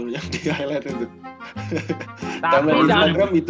yang di highlight itu